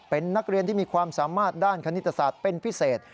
เป็นนักเรียนที่มีความสามารถด้านคณิตศาสตร์เป็นพิเศษ